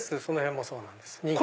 その辺もそうなんです。